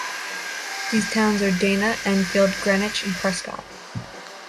These towns are Dana, Enfield, Greenwich, and Prescott.